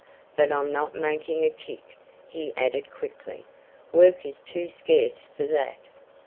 But I'm not making a kick," he added quickly. "Work is too scarce for that."